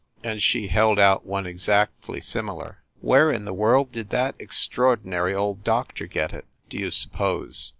And she held out one exactly similar. "Where in the world did that extraordinary old doctor get it, do you sup pose?"